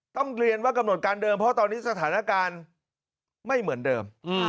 ต้องเรียนว่ากำหนดการเดิมเพราะตอนนี้สถานการณ์ไม่เหมือนเดิม